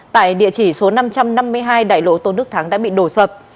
tại địa chỉ số năm trăm năm mươi hai đại lộ tôn đức thắng đã bị đổ sập